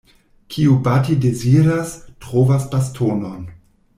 Kiu bati deziras, trovas bastonon.